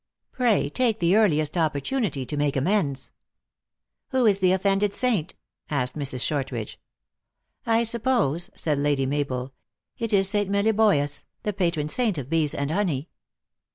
Pray take the earliest opportunity to make amends." "Who is the offended saint?" asked Mrs. Short ridge. " I suppose," said Lady Mabel, " it is St. Meliboeus, the patron saint of bees and honey."